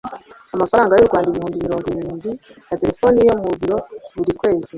amafaranga y'u rwanda ibihumbi mirongo irindwi ya telefone yo mu biro, buri kwezi